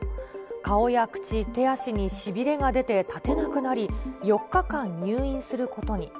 顔や口、手足にしびれが出て、立てなくなり、４日間入院することに。